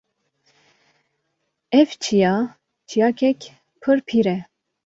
Ev çiya çiyakek pir pîr e